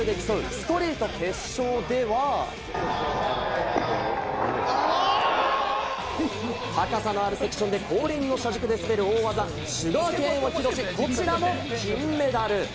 ストリート決勝では、高さのあるセクションで、後輪の車軸で滑る大技・シュガーケーンを披露し、こちらも金メダル。